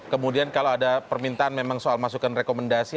kemudian kalau ada permintaan memang soal masukan rekomendasi